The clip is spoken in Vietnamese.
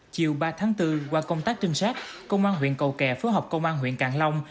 chiều ba tháng bốn qua công tác trinh sát công an huyện cầu kè phối hợp công an huyện cạn long